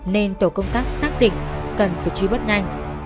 nên tổ công tác xác định cần phải truy bắt nhanh